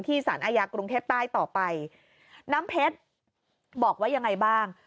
สารอาญากรุงเทพใต้ต่อไปน้ำเพชรบอกว่ายังไงบ้าง